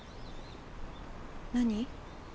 何？